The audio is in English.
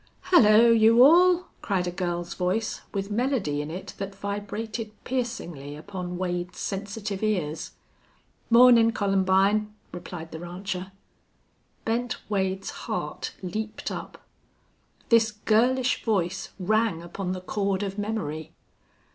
"Hello, you all!" cried a girl's voice, with melody in it that vibrated piercingly upon Wade's sensitive ears. "Mornin', Columbine," replied the rancher. Bent Wade's heart leaped up. This girlish voice rang upon the chord of memory.